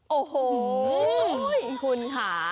โอ้โหคุณค่ะ